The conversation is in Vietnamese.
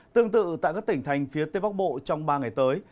tương tự tại các tỉnh thành phía tây bắc bộ trong ba ngày tới